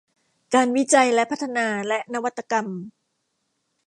การวิจัยและพัฒนาและนวัตกรรม